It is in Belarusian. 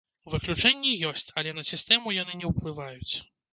Выключэнні ёсць, але на сістэму яны не ўплываюць.